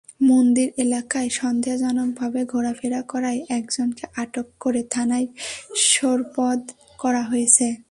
মন্দির এলাকায় সন্দেহজনকভাবে ঘোরাফেরা করায় একজনকে আটক করে থানায় সোপর্দ করা হয়েছে।